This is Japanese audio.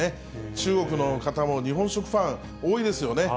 中国の方も日本食ファン、多いですよね。